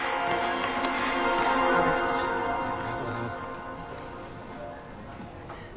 ありがとうございます。